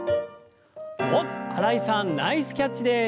おっ新井さんナイスキャッチです！